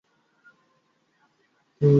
তুমি কি তৃপ্ত হওনি?